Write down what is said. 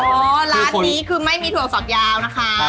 ร้านนี้คือไม่มีถั่วสอกยาวนะคะ